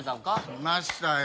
しましたよ！